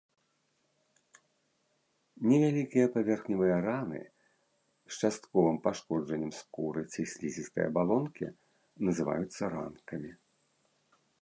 Невялікія паверхневыя раны з частковым пашкоджаннем скуры ці слізістай абалонкі называюцца ранкамі.